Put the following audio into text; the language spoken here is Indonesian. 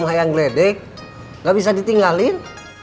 keinan semua dia puppyunnya anaknya esseo